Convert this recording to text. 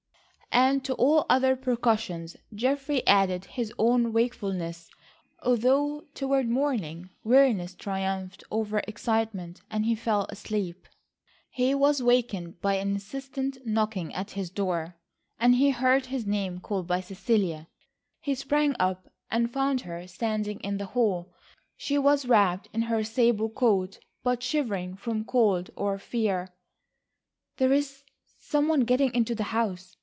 And to all other precautions, Geoffrey added his own wakefulness, although toward morning weariness triumphed over excitement and he fell asleep. He was waked by an insistent knocking at his door, and he heard his name called by Cecilia. He sprang up and found her standing in the hall. She was wrapped in her sable coat, but shivering from cold or fear. "There is some one getting into the house.